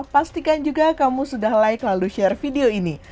pastikan juga kamu sudah like lalu share video ini